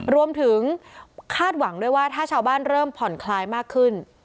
รวมถึงคาดหวังด้วยว่าถ้าชาวบ้านเริ่มผ่อนคลายมากขึ้น